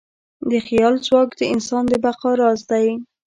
د خیال ځواک د انسان د بقا راز دی.